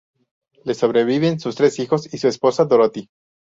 Le sobreviven sus tres hijos y su esposa, Dorothy.